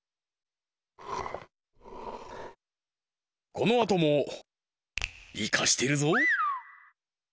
このあともイカしてるぞ！